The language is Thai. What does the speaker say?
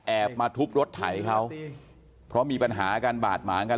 มาทุบรถไถเขาเพราะมีปัญหากันบาดหมางกัน